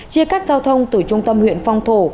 chia cắt giao thông từ trung tâm huyện phong thổ